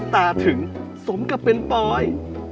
ตาถึงสมกับเป็นปอย